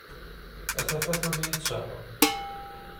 A tafat ur d i-d-tṣaḥeḍ.